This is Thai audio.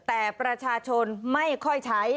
แต่ประชาชนไม่ค่อยใช้